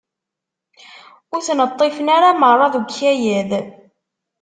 Ur ten-ṭṭifen ara merra deg ukayad.